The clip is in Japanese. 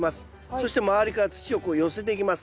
そして周りから土をこう寄せていきます。